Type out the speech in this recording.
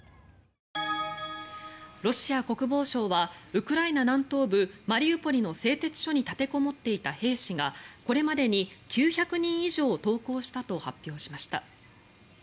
ロシア国防省はウクライナ南東部マリウポリの製鉄所に立てこもっていた兵士がこれまでに９００人以上投降したと発表しました。